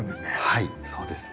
はいそうですね。